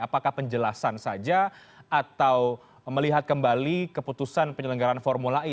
apakah penjelasan saja atau melihat kembali keputusan penyelenggaran formula e